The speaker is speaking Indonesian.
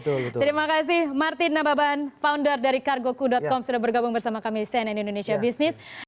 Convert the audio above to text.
terima kasih martin nababan founder dari cargoku com sudah bergabung bersama kami di cnn indonesia business